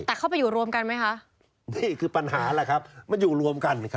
แต่เข้าไปอยู่รวมกันไหมคะนี่คือปัญหาแหละครับมันอยู่รวมกันครับ